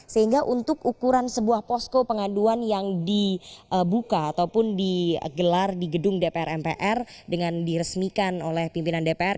sehingga untuk ukuran sebuah posko pengaduan yang dibuka ataupun digelar di gedung dpr mpr dengan diresmikan oleh pimpinan dpr